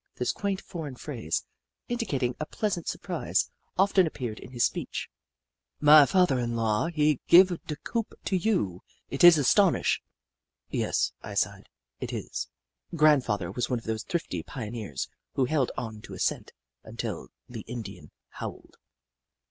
This quaint, foreign phrase, indicating a pleas ant surprise, often appeared in his speech. " My father in law, he giva da coop to you ? It is astonish !"Yes," I sighed, " it is." Grandfather was one of those thrifty pioneers who held on to a cent until the Indian howled.